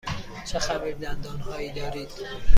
چه خمیردندان هایی دارید؟